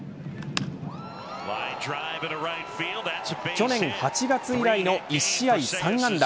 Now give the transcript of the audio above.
去年８月以来の１試合３安打。